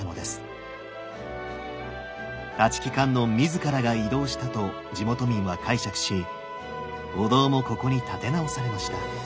立木観音自らが移動したと地元民は解釈しお堂もここに建て直されました。